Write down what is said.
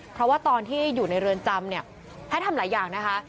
เพราะว่าตอนที่อยู่ในเรือนจำให้ทำหลายอย่างนะคะ